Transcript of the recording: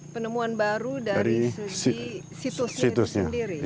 penemuan baru dari situsnya sendiri